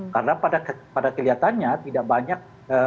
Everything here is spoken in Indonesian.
karena pada kelihatannya tidak banyak